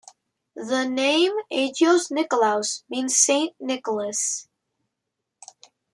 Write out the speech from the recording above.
The name Agios Nikolaos means "Saint Nicholas".